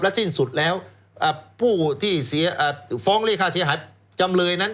สิ้นสุดแล้วผู้ที่ฟ้องเรียกค่าเสียหายจำเลยนั้น